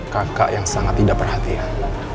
kakak yang sangat tidak perhatian